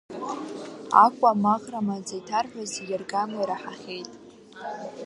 Акәа-амаӷра маӡа иҭарҳәаз, зегь аргама ираҳахьеит.